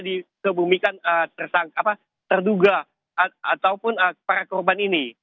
dikebumikan terduga ataupun para korban ini